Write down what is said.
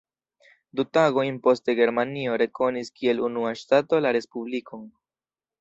Du tagojn poste Germanio rekonis kiel unua ŝtato la Respublikon.